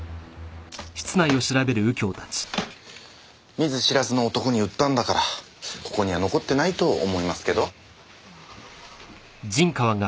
見ず知らずの男に売ったんだからここには残ってないと思いますけど。